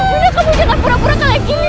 wina kamu jangan pura pura kali gini